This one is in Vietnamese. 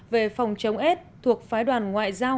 về phòng chống aids thuộc phái đoàn ngoại giao